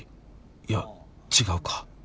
いや違うか。